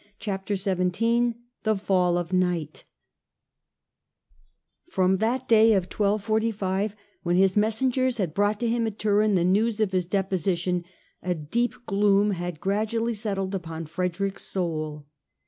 Chapter XVII THE FALL OF NIGHT FROM that day of 1245 when his messengers had brought to him at Turin the news of his deposi tion, a deep gloom had gradually settled upon Frederick's soul.